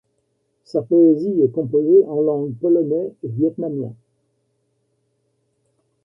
Sa poésie est composée en langues polonais et vietnamien.